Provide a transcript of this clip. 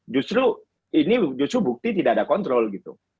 justru ini justru bukti tidak ada kontrol gitu